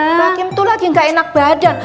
mbak kim tuh lagi nggak enak badan